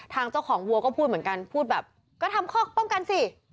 ทางเจ้าของวัวก็พูดเหมือนกันพูดแบบก็ทำข้อป้องกันสิ